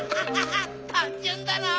たんじゅんだな。